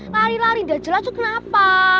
lari lari gak jelas tuh kenapa